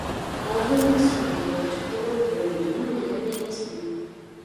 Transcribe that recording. Алардын кимиси менин болочокогу күйөөм экенин билген да эмесмин.